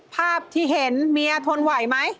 ภาพที่เห็นเมียทนไหวไหม